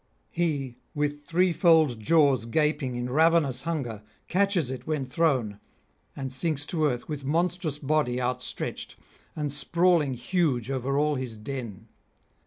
He, with threefold jaws gaping in ravenous hunger, catches it when thrown, and sinks to earth with monstrous body outstretched, and sprawling huge over all his den.